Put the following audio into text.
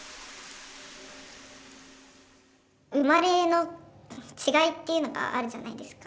生まれの違いっていうのがあるじゃないですか。